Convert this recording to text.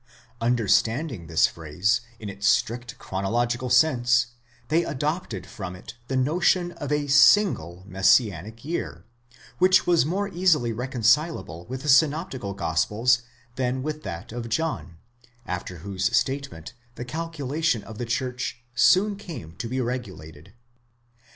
Understanding this phrase in its strict chronological sense, they adopted from it the notion of a single messianic year, which was more easily reconcilable with the synoptical gospels than with that of John, after whose statement the calculation of the church soon came to be regulated.